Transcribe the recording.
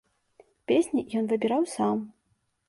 Песні ён выбіраў сам.